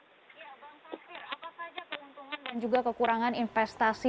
apa saja keuntungan dan juga kekurangan investasi